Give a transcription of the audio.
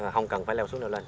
không cần phải leo xuống leo lên